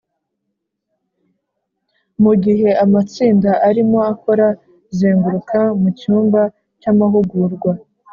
Mu gihe amatsinda arimo akora zenguruka mu cyumba cy amahugurwa